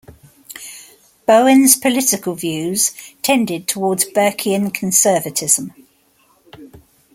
Bowen's political views tended towards Burkean conservatism.